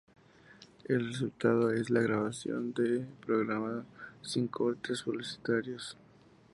El resultado es la grabación de un programa sin cortes publicitarios.